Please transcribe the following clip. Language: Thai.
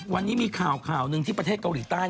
วันนี้มีข่าวข่าวหนึ่งที่ประเทศเกาหลีใต้